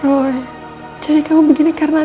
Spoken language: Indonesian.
roy jadi kamu begini karena